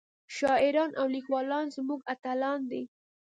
شاعران او ليکوال زمونږ اتلان دي